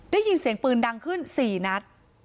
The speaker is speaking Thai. ได้ยินเสียงปืนดังขึ้น๔นัด